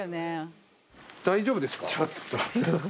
大丈夫ですか？